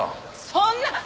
そんな！